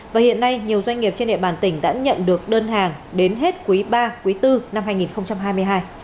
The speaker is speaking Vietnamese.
và hiện nay nhiều doanh nghiệp trên địa bàn tỉnh đã nhận được đơn hàng đến hết quý ba quý bốn năm hai nghìn hai mươi hai